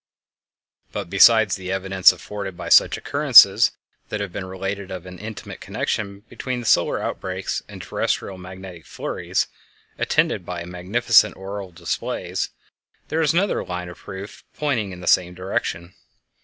But besides the evidence afforded by such occurrences as have been related of an intimate connection between solar outbreaks and terrestial magnetic flurries, attended by magnificent auroral displays, there is another line of proof pointing in the same direction.